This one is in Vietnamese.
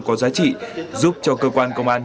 có giá trị giúp cho cơ quan công an